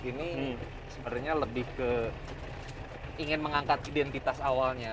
ini sebenarnya lebih ke ingin mengangkat identitas awalnya